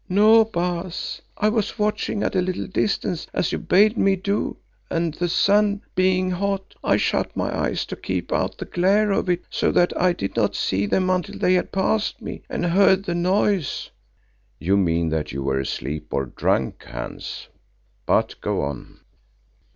"No, Baas. I was watching at a little distance as you bade me do and the sun being hot, I shut my eyes to keep out the glare of it, so that I did not see them until they had passed me and heard the noise." "You mean that you were asleep or drunk, Hans, but go on."